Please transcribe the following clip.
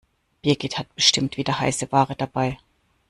Birgit hat bestimmt wieder heiße Ware dabei.